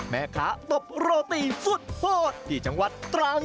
แม่ค้าตบโรตีสุดโหดที่จังหวัดตรัง